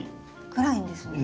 暗いんですね。